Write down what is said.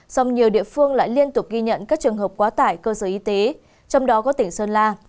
song nhiều địa phương lại liên tục ghi nhận các trường hợp quá tải cơ sở y tế trong đó có tỉnh sơn la